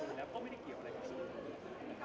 สวัสดีครับ